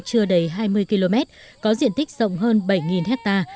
chưa đầy hai mươi km có diện tích rộng hơn bảy ha